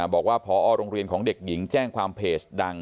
บอกว่าพอโรงเรียนของเด็กหญิงแจ้งความเพจดัง